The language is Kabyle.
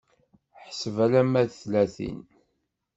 Ḥseb alamma d tlatin.